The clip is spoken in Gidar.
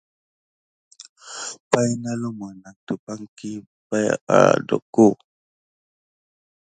Pay nà lumu nak dupay ɗi pay oɗoko.